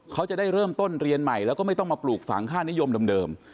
เขาจะได้เริ่มต้นเรียนใหม่แล้วก็ไม่ต้องมาปลูกฝังค่านิยมเดิม